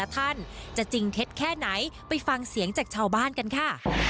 ท่านจะจริงเท็จแค่ไหนไปฟังเสียงจากชาวบ้านกันค่ะ